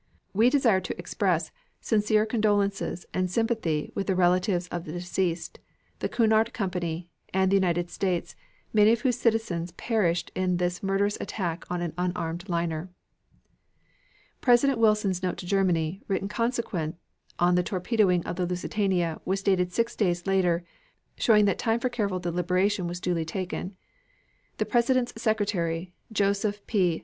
We desire to express sincere condolences and sympathy with the relatives of the deceased, the Cunard Company, and the United States, many of whose citizens perished in this murderous attack on an unarmed liner. President Wilson's note to Germany, written consequent on the torpedoing of the Lusitania, was dated six days later, showing that time for careful deliberation was duly taken. The President's Secretary, Joseph P.